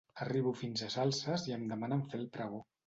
Arribo fins a Salses i em demanen fer el pregó.